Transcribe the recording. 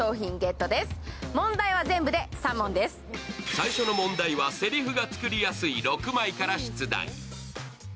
最初の問題はせりふが作りやすい６枚から出題。